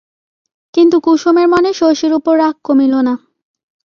কিন্তু কুসুমের মনে শশীর উপর রাগ কমিল না।